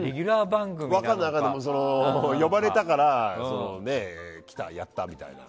呼ばれたから来た、やったみたいな。